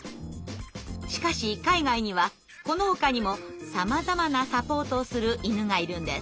しかし海外にはこのほかにもさまざまなサポートをする犬がいるんです。